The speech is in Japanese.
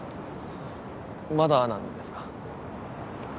まだなんですか？